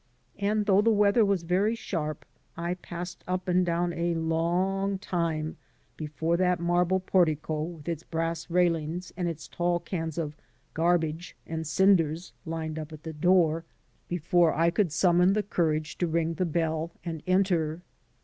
And though the weather was very sharp I passed up and down a long time before that marble portico with its brass railings and its tall cans of garbage and cinders lined up at the door, before 6« FIRST IMPRESSIONS I could summon the courage to ring the bell and enter.